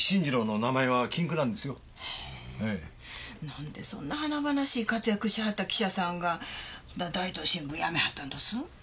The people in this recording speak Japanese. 何でそんな華々しい活躍しはった記者さんが大東新聞辞めはったんどす？